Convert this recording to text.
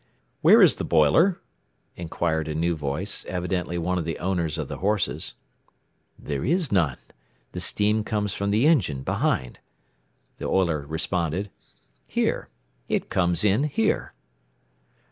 "Where is the boiler?" inquired a new voice, evidently one of the owners of the horses. "There is none. The steam comes from the engine, behind," the oiler responded. "Here it comes in here."